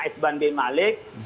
rasulullah bin malik